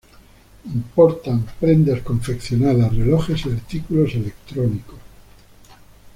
Importan prendas confeccionadas, relojes y artículos electrónicos.